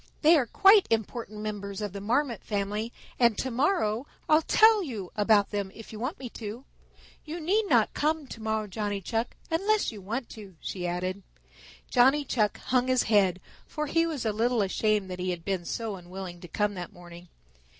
They are quite important members of the Marmot family, and to morrow I'll tell you about them if you want me to. You need not come tomorrow, Johnny Chuck, unless you want to," she added. Johnny Chuck hung his head, for he was a little ashamed that he had been so unwilling to come that morning.